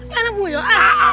yang anak bu yoah